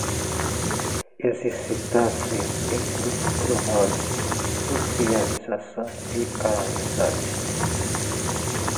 Exercitar-se em grupo promove socialização e amizade.